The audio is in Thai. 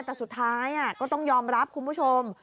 แต่สุดท้ายก็ต้องยอมรับคุณผู้ชม